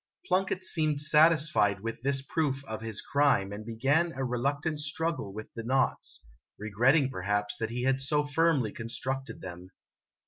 Plunkett seemed satisfied with this proof of his crime, and began a reluctant struggle with the knots, regretting perhaps that he had so firmly constructed them.